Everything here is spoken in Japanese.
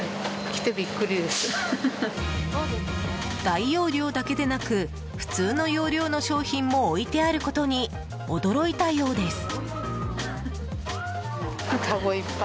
大容量だけでなく普通の容量の商品も置いてあることに驚いたようです。